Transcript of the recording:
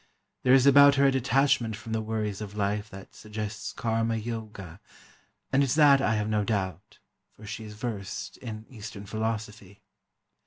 There is about her a detachment from the worries of life that suggests Karma Yoga, and is that, I have no doubt, for she is versed in Eastern Philosophy.